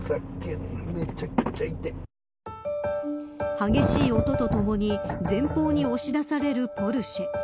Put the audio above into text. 激しい音とともに前方に押し出されるポルシェ。